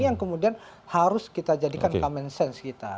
yang kemudian harus kita jadikan common sense kita